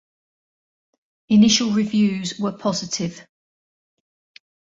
Initial reviews were positive.